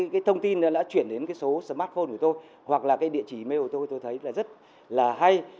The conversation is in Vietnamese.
cái thông tin đã chuyển đến cái số smartphone của tôi hoặc là cái địa chỉ mai của tôi tôi thấy là rất là hay